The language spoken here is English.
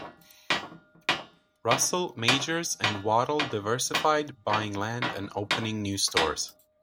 Russell, Majors, and Waddell diversified, buying land and opening new stores.